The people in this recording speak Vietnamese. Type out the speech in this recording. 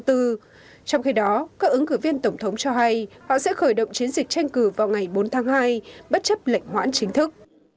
trong khi đó các ứng cử viên tổng thống cho hay họ sẽ khởi động chiến dịch tranh cử vào ngày bốn tháng hai bất chấp lệnh hoãn chính thức